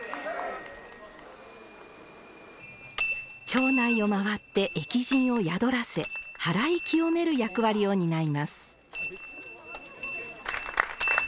町内を回って疫神を宿らせはらい清める役割を担います。